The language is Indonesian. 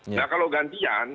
nah kalau gantian